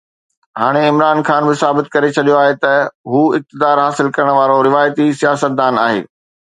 هاڻي عمران خان به ثابت ڪري ڇڏيو آهي ته هو اقتدار حاصل ڪرڻ وارو روايتي سياستدان آهي.